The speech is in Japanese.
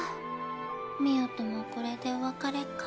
澪ともこれでお別れか。